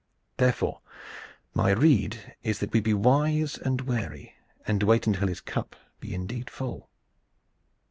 Therefore, my rede is that we be wise and wary and wait until his cup be indeed full."